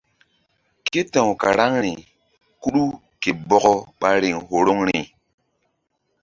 Ke ta̧w karaŋri kuɗu ke bɔkɔ ɓa riŋ horoŋri.